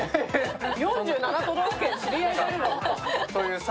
４７都道府県、知り合いがいるの？